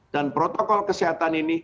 dan protokol kesehatan ini